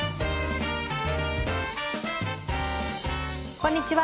こんにちは。